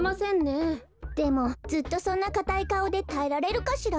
でもずっとそんなかたいかおでたえられるかしら？